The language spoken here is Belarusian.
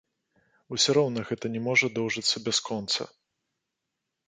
Усё роўна гэта не можа доўжыцца бясконца.